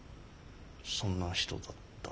そんな人だった。